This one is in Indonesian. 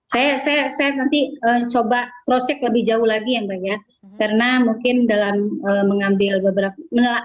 saya saya saya nanti coba prosjek lebih jauh lagi yang banyak karena mungkin dalam mengambil beberapa